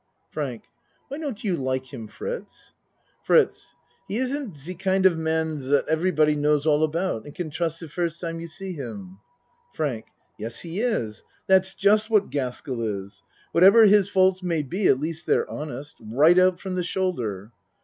FRANK Why don't you like him, Fritz? FRITZ He isn't de kind of a man dot every body knows all about and can trust de first time you see him. FRAVK Yes he is. That's just what Gaskell is. Whatever his faults may be at least they're honest, right out from the shoulder!